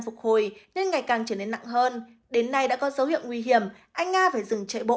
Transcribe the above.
phục hồi nên ngày càng trở nên nặng hơn đến nay đã có dấu hiệu nguy hiểm anh nga phải dừng chạy bộ